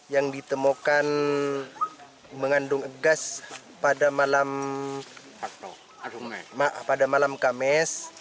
yang ditemukan mengandung gas pada malam kamis